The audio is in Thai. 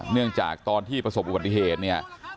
เนื่องจากตอนที่ประสบอุบัติเหตุเนี่ย